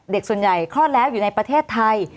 ส่วนใหญ่คลอดแล้วอยู่ในประเทศไทย